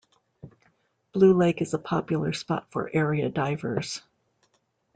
Blue Lake is a popular spot for area divers.